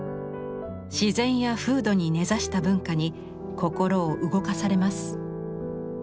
自然や風土に根ざした文化に心を動かされます。